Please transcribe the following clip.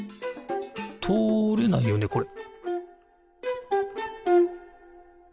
とおれないよねこれ？